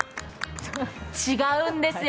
違うんですよ。